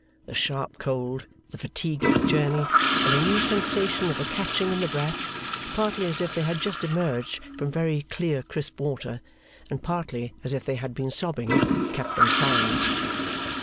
The sharp cold, the fatigue of the journey, and a new sensation of a catching in the breath, partly as if they had just emerged from very clear crisp water, and partly as if they had been sobbing, kept them silent.